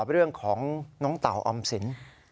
เรื่องของน้องเต่าออมสิน